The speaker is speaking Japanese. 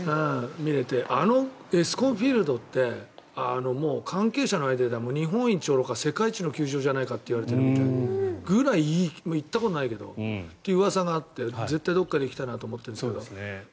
見れて、あのＥＳＣＯＮＦＩＥＬＤってもう関係者の間では日本一はおろか世界一の球場じゃないかといわれているぐらい行ったことないけど。といううわさがあってどこかで行きたいなと思ってるんだけど。